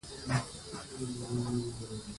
چي په ژوند کي یو څه غواړې او خالق یې په لاس درکي